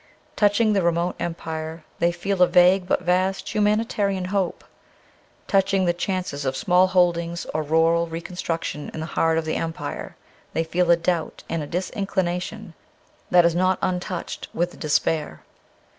Touching the remote empire they feel a vague but vast humanitarian hope ; touching the chances of small holdings or rural reconstruction in the heart of the empire they feel a doubt and a disinclination that is not untouched with despair.